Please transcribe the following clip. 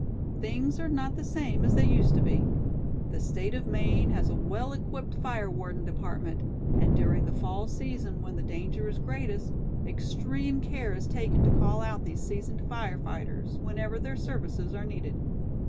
Things are not the same as they used to be. The State of Maine has a well equipped fire warden department; and during the fall season when the danger is greatest, extreme care is taken to call out these seasoned fire fighters whenever their services are needed.